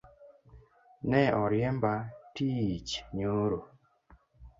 Ne oriemba tiich nyoro